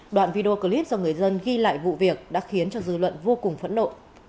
đoạn video clip do người dân ghi lại vụ việc đã khiến cho dư luận vô cùng phẫn nộ